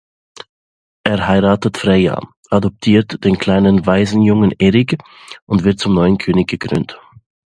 Er heiratet Freya, adoptiert den kleinen Waisenjungen Eric und wird zum neuen König gekrönt.